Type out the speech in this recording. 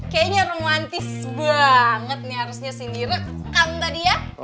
kayaknya romantis banget nih harusnya sindi rekam tadi ya